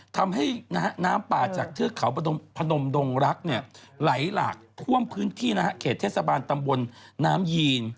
ทำให้น้ำป่าจากเทือกเขาพนมดงรักไหลหลากท่วมพื้นที่เขตเทศบาลตำบลน้ำยีน